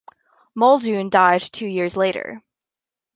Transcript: Muldoon died two years later.